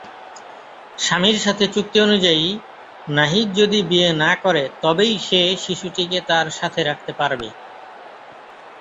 স্বামীর সাথে চুক্তি অনুযায়ী, নাহিদ যদি বিয়ে না করে তবেই সে শিশুটিকে তার সাথে রাখতে পারবে।